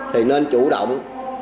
thì nên chủ động